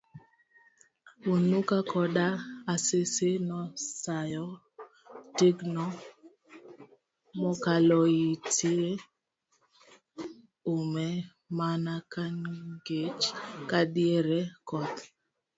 Hunuka Koda Asisi nosayo tigno mokaloitie ume mana kangich kadiere koth.